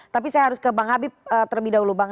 tapi saya harus ke bang habib terlebih dahulu bang